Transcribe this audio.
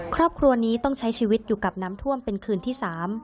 ครอบครัวนี้ต้องใช้ชีวิตอยู่กับน้ำท่วมเป็นคืนที่๓